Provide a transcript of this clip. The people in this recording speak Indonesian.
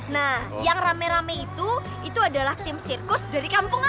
nah yang rame rame itu itu adalah tim sirkus dari kampung halaman